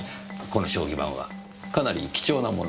この将棋盤はかなり貴重な物？